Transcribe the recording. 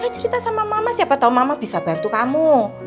cerita sama mama siapa tahu mama bisa bantu kamu